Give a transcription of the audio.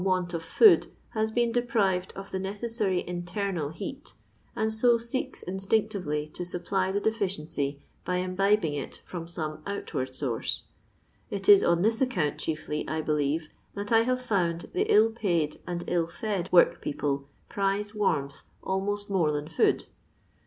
want of food hai been deprired of the neeetnry internal heat, and so leeki inttinctiTely to nipply the deficiency by imbibing it from tome ontwaid ■onrce. It if on this aoeonnt chiefly, I beliere, that I haTo found the ill paid and ill fed work people priie wannth ahnoet more than food.